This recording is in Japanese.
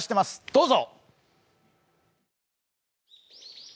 どうぞ。